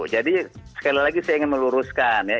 jadi sekali lagi saya ingin meluruskan ya